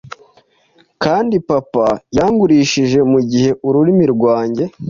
Kandi papa yangurishije mugihe ururimi rwanjye